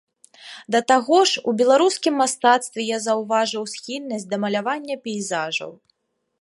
Да таго ж, у беларускім мастацтве я заўважыў схільнасць да малявання пейзажаў.